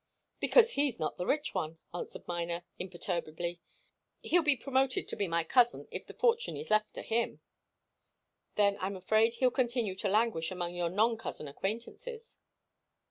"Because he's not the rich one," answered Miner, imperturbably. "He'll be promoted to be my cousin, if the fortune is left to him." "Then I'm afraid he'll continue to languish among your non cousin acquaintances."